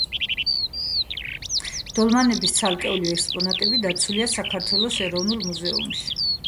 დოლმენების ცალკეული ექსპონატები დაცულია საქართველოს ეროვნულ მუზეუმში.